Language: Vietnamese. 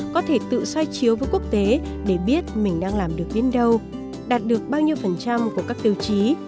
có thể tự xoay chiếu với quốc tế để biết mình đang làm được đến đâu đạt được bao nhiêu phần trăm của các tiêu chí